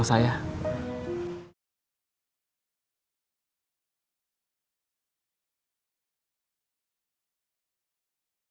masih ada yang nungguin